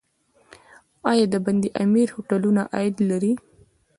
آیا د بند امیر هوټلونه عاید لري؟